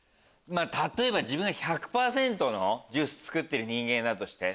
例えば自分が１００％のジュース作ってる人間だとして。